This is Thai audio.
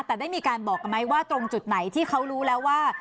แต่ได้มีการบอกกันไหมว่าตรงจุดไหนที่เขารู้แล้วว่า